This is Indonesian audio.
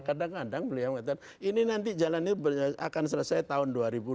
kadang kadang beliau mengatakan ini nanti jalan ini akan selesai tahun dua ribu dua puluh